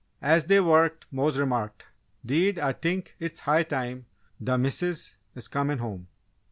As they worked, Mose remarked: "'Deed Ah t'ink it's high time d' Missus is comin' home.